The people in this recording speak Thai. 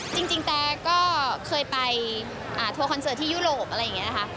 จริงแต่ก็เคยไปทัวร์คอนเสิร์ตที่ยุโรปอะไรอย่างนี้นะคะ